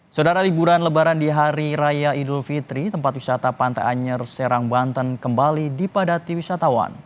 saudara liburan lebaran di hari raya idul fitri tempat wisata pantai anyer serang banten kembali dipadati wisatawan